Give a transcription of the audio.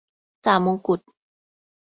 จ่ามงกุฎ